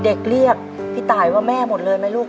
เรียกพี่ตายว่าแม่หมดเลยไหมลูก